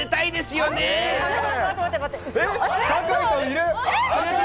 酒井さんいる！